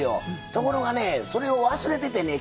ところがね、それを忘れててね